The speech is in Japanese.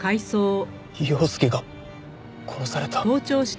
陽介が殺された。